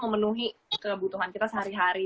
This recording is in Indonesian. memenuhi kebutuhan kita sehari hari